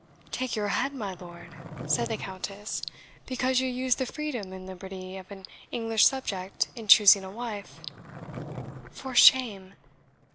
"Take your head, my lord!" said the Countess, "because you used the freedom and liberty of an English subject in choosing a wife? For shame!